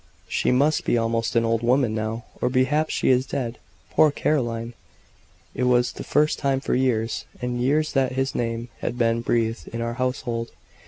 She must be almost an old woman now, or perhaps she is dead. Poor Caroline!" It was the first time for years and years that this name had been breathed in our household.